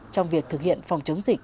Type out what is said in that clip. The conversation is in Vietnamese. trong việc thực hiện phòng chống dịch